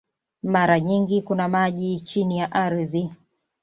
Mara nyingi kuna maji chini ya ardhi.